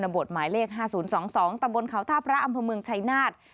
บทหมายเลข๕๐๒๒ตะบนเขาท่าพระอำเภอเมืองชัยนาฏ